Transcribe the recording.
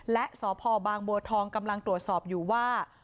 และสพบางบัวทองกำลังตรวจสอบอยู่ว่า